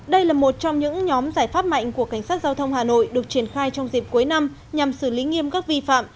đây là một trong những nhóm giải pháp mạnh của cảnh sát giao thông hà nội được triển khai trong dịp cuối năm nhằm xử lý nghiêm các vi phạm